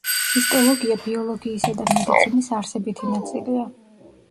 ჰისტოლოგია ბიოლოგიისა და მედიცინის არსებითი ნაწილია.